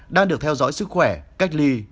đang được theo dõi sức khỏe cách ly